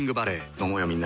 飲もうよみんなで。